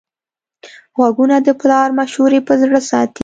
غوږونه د پلار مشورې په زړه ساتي